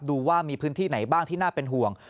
ดูว่ามีพื้นที่ไหนบ้างที่น่าเป็นห่วง